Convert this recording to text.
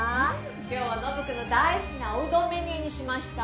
今日はノブ君の大好きなおうどんメニューにしました。